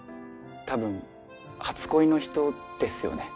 多分初恋の人ですよね？